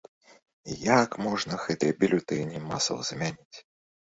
І як можна гэтыя бюлетэні масава замяніць?!